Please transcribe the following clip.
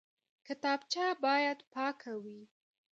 کتابچه باید پاکه وي